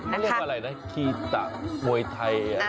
ชื่อเป็นอะไรนะภิตภะโมยไทย